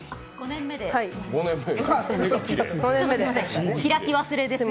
５年目です。